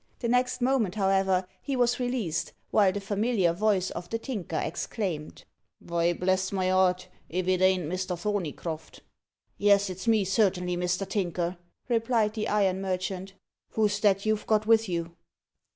The next moment, however, he was released, while the familiar voice of the Tinker exclaimed "Vy, bless my 'art, if it ain't Mister Thorneycroft." "Yes, it's me, certainly, Mr. Tinker," replied the iron merchant. "Who's that you've got with you?"